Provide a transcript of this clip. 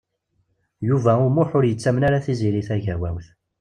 Yuba U Muḥ ur yettamen ara Tiziri Tagawawt.